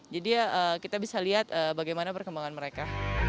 jadi kita bisa lihat bagaimana perkembangan mereka